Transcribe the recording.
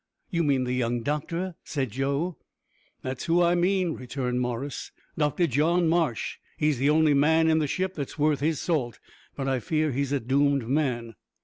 "You mean the young doctor," said Joe. "That's who I mean," returned Morris. "Doctor John Marsh. He's the only man in the ship that's worth his salt, but I fear he's a doomed man."